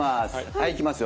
はいいきますよ